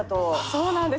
そうなんです。